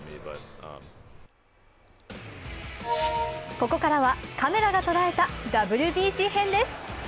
ここからはカメラが捉えたＷＢＣ編集です。